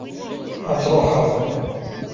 ad truḥeḍ